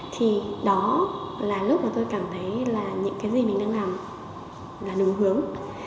thì đó là lúc mà tôi cảm thấy là những cái gì mình đang làm là đúng hướng